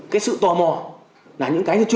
cái sự tò mò là những cái chưa rõ ràng